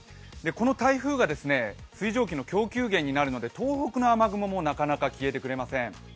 この台風が水蒸気の供給源になるので東北の雨雲もなかなか消えてくれません。